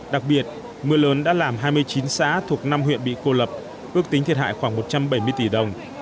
đặc biệt mưa lớn đã làm hai mươi chín xã thuộc năm huyện bị cô lập ước tính thiệt hại khoảng một trăm bảy mươi tỷ đồng